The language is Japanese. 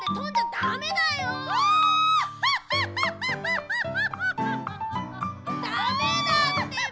ダメだってば！